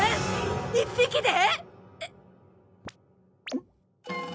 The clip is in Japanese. １匹で！？